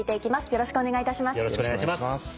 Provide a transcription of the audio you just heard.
よろしくお願いします。